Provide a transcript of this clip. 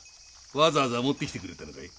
わざわざ持ってきてくれたのかい？